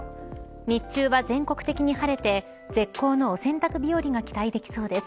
日中は全国的に晴れて絶好のお洗濯日和が期待できそうです。